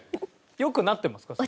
良くなってますか？